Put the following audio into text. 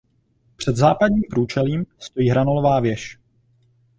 Před západním průčelím stojí hranolová věž.